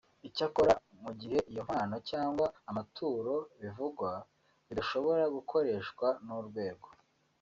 Icyakora mu gihe iyo mpano cyangwa amaturo bivugwa bidashobora gukoreshwa n’urwego